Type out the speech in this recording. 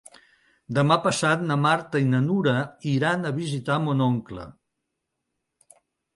Demà passat na Marta i na Nura iran a visitar mon oncle.